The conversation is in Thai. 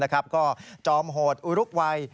ก็จอมโหดอุรุกวัย